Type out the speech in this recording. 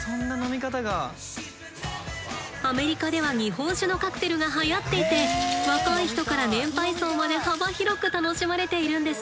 アメリカでは日本酒のカクテルがはやっていて若い人から年配層まで幅広く楽しまれているんですって。